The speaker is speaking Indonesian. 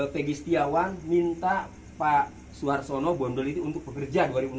teddy setiawan minta pak suhartono bondol itu untuk bekerja dua ribu enam belas